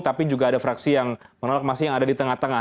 tapi juga ada fraksi yang menolak masih yang ada di tengah tengah